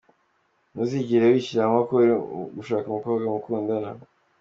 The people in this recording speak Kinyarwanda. Ntuzigere wishyiramo ko uri gushaka umukobwa mukundana.